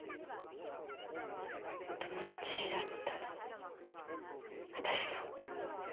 友達だったの私の。えっ？